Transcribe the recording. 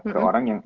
ke orang yang